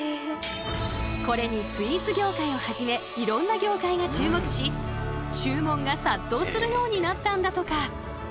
これにスイーツ業界をはじめいろんな業界が注目し注文が殺到するようになったんだとか。